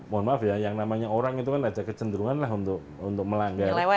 mohon maaf ya yang namanya orang itu kan ada kecenderungan lah untuk melanggar